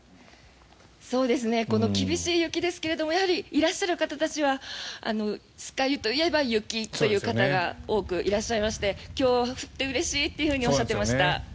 この厳しい雪ですけどもやはりいらっしゃる方たちは酸ケ湯といえば雪という方が多くいらっしゃいまして今日は降ってうれしいっておっしゃっていました。